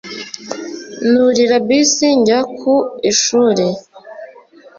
nurira bus njya ku ishuli